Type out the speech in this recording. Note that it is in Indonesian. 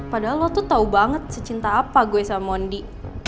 padahal lo tuh tau banget secinta apa gue sama mondi